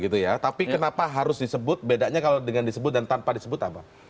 tapi kenapa harus disebut bedanya kalau dengan disebut dan tanpa disebut apa